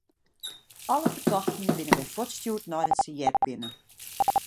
Alle fertochten binne wer fuortstjoerd neidat se heard binne.